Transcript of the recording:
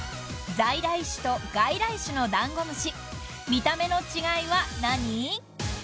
［在来種と外来種のダンゴムシ見た目の違いは何？］